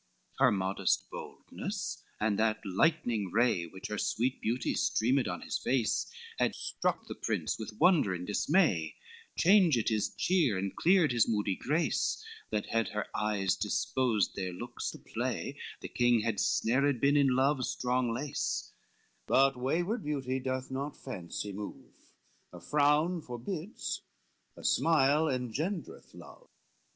XX Her molest boldness, and that lightning ray Which her sweet beauty streamed on his face, Had struck the prince with wonder and dismay, Changed his cheer, and cleared his moody grace, That had her eyes disposed their looks to play, The king had snared been in love's strong lace; But wayward beauty doth not fancy move, A frown forbids, a smile engendereth love.